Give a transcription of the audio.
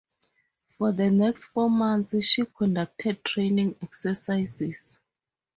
For the next four months she conducted training exercises.